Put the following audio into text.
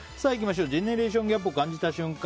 ジェネレーションギャップを感じた瞬間。